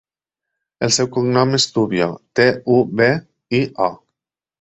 El seu cognom és Tubio: te, u, be, i, o.